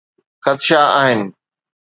خدشا آهن.